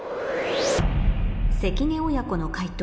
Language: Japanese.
関根親子の解答